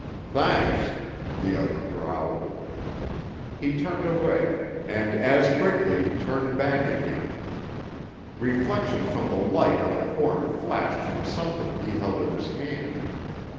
"Thanks," the other growled. He turned away—and as quickly turned back again. Reflection from the light on the corner flashed from something he held in his hand.